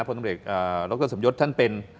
พ่อต้องเรียกดรสมยศท่านเป็น